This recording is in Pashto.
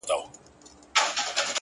اغــــزي يې وكـــرل دوى ولاړل تريــــنه.